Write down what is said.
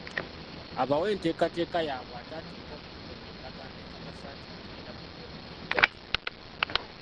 Abawe enteekateeka yaabwe ate ateeke omukono ku ndagaano ekakasa nti agenda kugondera ebiragiro.